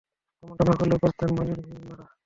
এমনটা না করলেও পারতেন, মানিমারা।